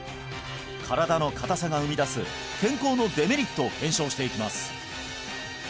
身体の硬さが生み出す健康のデメリットを検証していきます